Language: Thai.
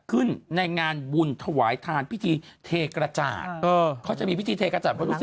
ในงานบุญถวายทานพิธีเทกระจาดเออเขาจะมีพิธีเทกระจาดเพราะรู้สึก